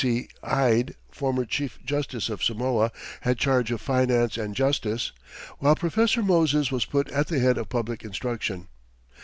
C. Ide, former Chief Justice of Samoa, had charge of Finance and Justice, while Professor Moses was put at the head of Public Instruction.